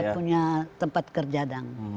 dia punya tempat kerja